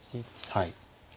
はい。